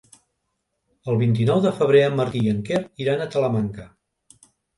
El vint-i-nou de febrer en Martí i en Quer iran a Talamanca.